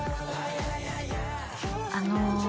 あの。